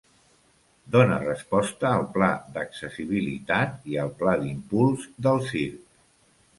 Dona resposta al Pla d'accessibilitat i al Pla d'Impuls del Circ.